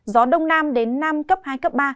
gió đông nam đến nam cấp hai cấp ba